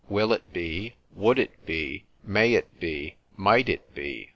Will it be? Would it be? May it be? Might it be?